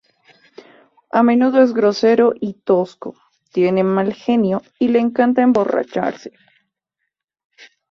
A menudo es grosero y tosco, tiene mal genio y le encanta emborracharse.